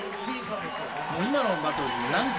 今のバトル何回